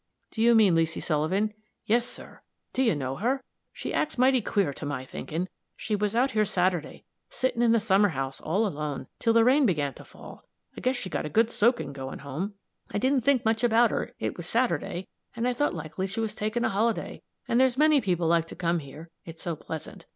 "Do you mean Leesy Sullivan?" "Yes, sir. Do you know her? She acts mighty queer, to my thinkin'. She was out here Saturday, sittin' in the summer house, all alone, 'till the rain began to fall I guess she got a good soaking going home. I didn't think much about her; it was Saturday, and I thought likely she was taking a holiday, and there's many people like to come here, it's so pleasant.